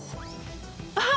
あっ！